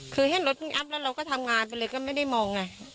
คือเห็นรถเพิ่งอัพแล้วเราก็ทำงานไปเลยก็ไม่ได้มองไง